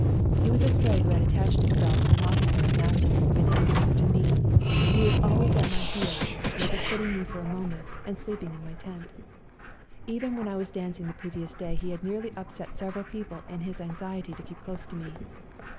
He was a stray who had attached himself to an officer and afterwards been handed over to me, and he was always at my heels, 240 " SLAVA DAY " never quitting me for a moment and sleeping in my tent. Even when I was dancing the previous day he had nearly upset several people in his anxiety to keep close to me.